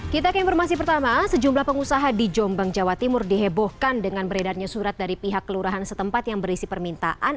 kita ke informasi pertama sejumlah pengusaha di jombang jawa timur dihebohkan dengan beredarnya surat dari pihak kelurahan setempat yang berisi permintaan